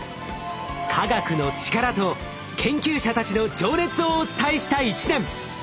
科学の力と研究者たちの情熱をお伝えした１年。